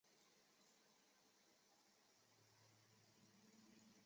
如果两岸共同的政治基础遭到破坏，则基础不牢，地动山摇。